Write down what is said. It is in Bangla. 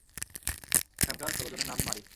এখানকার ষোল জনের নামই মারি।